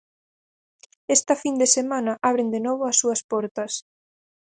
Esta fin de semana abren de novo as súas portas.